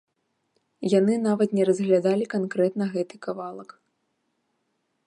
Яны нават не разглядалі канкрэтна гэты кавалак.